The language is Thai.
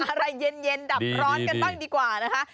อะไรเย็นดับร้อนกันบ้างดีกว่านะคะ